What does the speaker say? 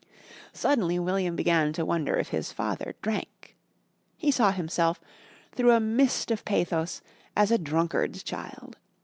Suddenly William began to wonder if his father drank. He saw himself, through a mist of pathos, as a Drunkard's child.